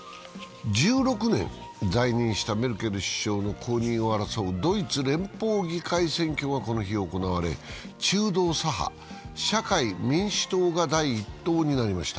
１６年在任したメルケル首相の後任を争うドイツ連邦議会選挙がこの日行われ、中道左派社会民主党が第１党になりました。